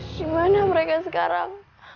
gimana mereka sekarang